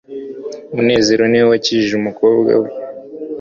munezero ni we wakijije umukobwa